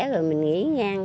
rồi mình nghỉ ngang